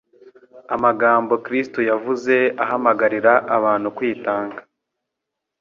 Amagambo Kristo yavuze ahamagarira abantu kwitanga,